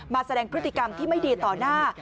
แสดงพฤติกรรมที่ไม่ดีต่อหน้า